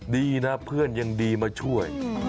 ดีนะเพื่อนยังดีมาช่วย